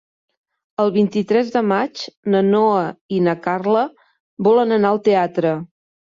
El vint-i-tres de maig na Noa i na Carla volen anar al teatre.